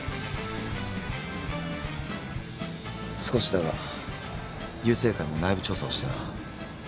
少しだが雄正会の内部調査をしてな。